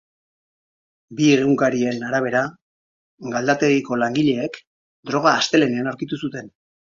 Bi egunkarien arabera, galdategiko langileek droga astelehenean aurkitu zuten.